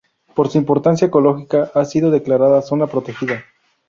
Por su importancia ecológica ha sido declarada zona protegida.